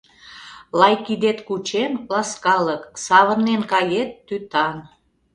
Лай кидет кучем — ласкалык, савырнен кает — тӱтан.